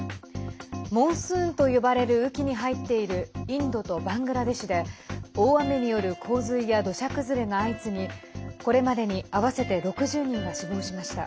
モンスーンと呼ばれる雨季に入っているインドとバングラデシュで大雨による洪水や土砂崩れが相次ぎこれまでに合わせて６０人が死亡しました。